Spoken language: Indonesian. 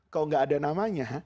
kalau enggak ada namanya